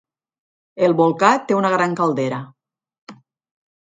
El volcà té una gran caldera.